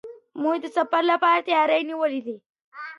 موږ د سفر لپاره تیاری نیولی دی.